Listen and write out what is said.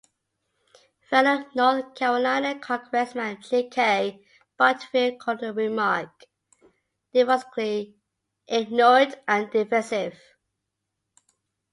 Fellow North Carolina congressman G. K. Butterfield called the remark devastatingly ignorant and divisive.